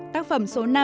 tác phẩm số năm